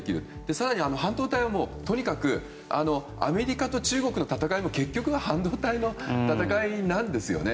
更に半導体はとにかくアメリカと中国の戦いも結局は半導体の戦いなんですよね。